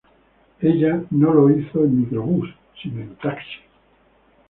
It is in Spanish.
Ella no lo hizo en microbús, sino en taxi.